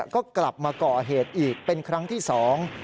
ก็กลับมาก่อเหตุอีกเป็นครั้งที่สอง